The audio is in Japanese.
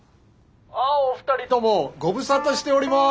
あっお二人ともご無沙汰しております。